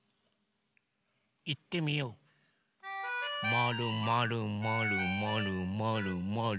まるまるまるまるまるまる。